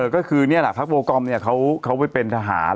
ก็คือพรรคโบกรมเขาเป็นทหาร